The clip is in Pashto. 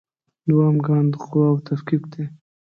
دوهم ګام د قواوو تفکیک دی.